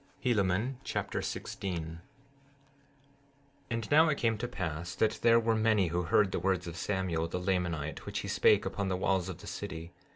Helaman Chapter 16 16:1 And now, it came to pass that there were many who heard the words of Samuel, the Lamanite, which he spake upon the walls of the city.